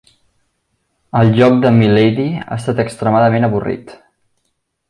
El lloc de mi lady ha estat extremadament avorrit.